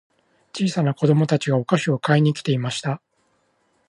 小さな子供たちがお菓子を買いに来ていました。